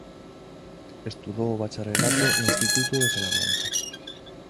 Estudou o bacharelato no Instituto de Salamanca.